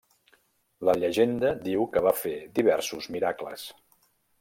La llegenda diu que va fer diversos miracles.